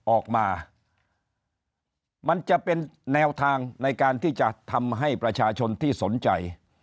ออกมามันจะเป็นแนวทางในการที่จะทำให้ประชาชนที่สนใจ